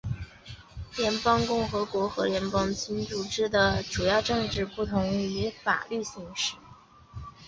联邦共和国和联邦君主制的主要政治不同在于法律形式。